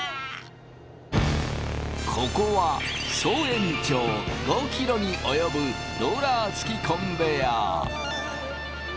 ここは総延長５ｋｍに及ぶローラー付きコンベヤー。